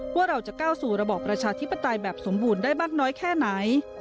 ว่าเราจะก้าวสู่ระบอบประชาธิปไตยแบบสมบูรณ์ได้มากน้อยแค่ไหน